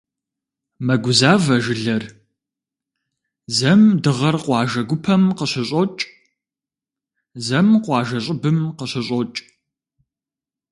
Мэгузавэ жылэр: зэм дыгъэр къуажэ гупэм къыщыщӀокӀ, зэм къуажэ щӀыбым къыщыщӀокӀ.